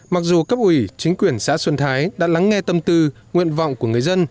mặc dù cấp ủy chính quyền xã xuân thái đã lắng nghe tâm tư nguyện vọng của người dân